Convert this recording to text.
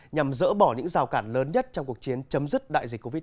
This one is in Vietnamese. nhằm dỡ bỏ những rào cản lớn nhất trong cuộc chiến chấm dứt đại dịch covid một mươi